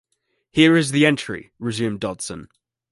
‘Here is the entry,’ resumed Dodson.